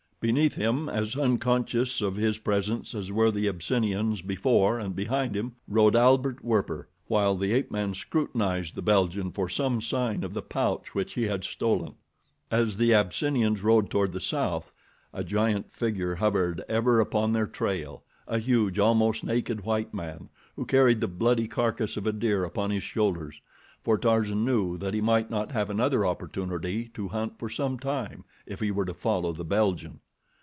Beneath him, as unconscious of his presence as were the Abyssinians before and behind him, rode Albert Werper, while the ape man scrutinized the Belgian for some sign of the pouch which he had stolen. As the Abyssinians rode toward the south, a giant figure hovered ever upon their trail—a huge, almost naked white man, who carried the bloody carcass of a deer upon his shoulders, for Tarzan knew that he might not have another opportunity to hunt for some time if he were to follow the Belgian.